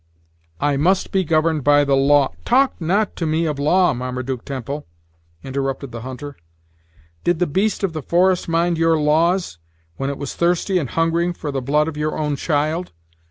"I must be governed by the law " "Talk not to me of law, Marmaduke Temple," interrupted the hunter. "Did the beast of the forest mind your laws, when it was thirsty and hungering for the blood of your own child?